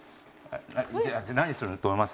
何すると思います？